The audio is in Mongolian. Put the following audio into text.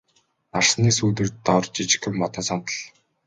Нарсны сүүдэр дор жижигхэн модон сандал.